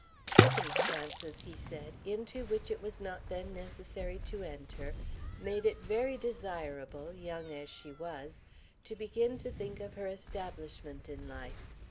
'Circumstances,' he said, 'into which it was not then necessary to enter, made it very desirable, young as she was, to begin to think of her establishment in life.'